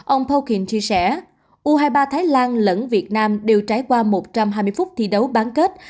ông pokin chia sẻ u hai mươi ba thái lan lẫn việt nam đều trải qua một trăm hai mươi phút thi đấu bán kết